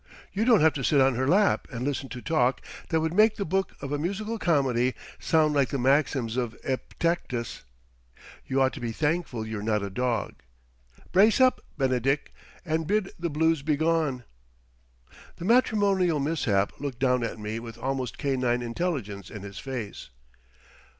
You don't have to sit on her lap and listen to talk that would make the book of a musical comedy sound like the maxims of Epictetus. You ought to be thankful you're not a dog. Brace up, Benedick, and bid the blues begone." The matrimonial mishap looked down at me with almost canine intelligence in his face.